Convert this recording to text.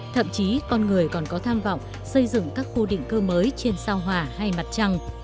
thậm chí con người còn có tham vọng xây dựng các khu định cư mới trên sao hỏa hay mặt trăng